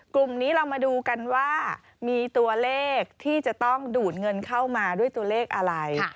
กลุ่มนี้เรามาดูกันว่ามีตัวเลขที่จะต้องดูดเงินเข้ามาด้วยตัวเลขอะไร